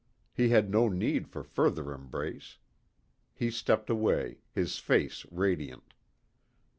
He had no need for further embrace. He stepped away, his face radiant.